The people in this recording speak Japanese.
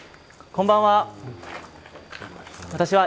こんばんは。